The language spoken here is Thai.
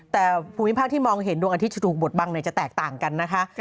แต่ภูมิภาคที่มองเห็นดวงอาทิตย์จะถูกบดบังจะแตกต่างกันนะคะ